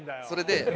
それで。